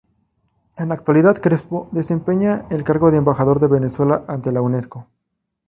En la actualidad Crespo desempeña el cargo de Embajador de Venezuela ante la Unesco.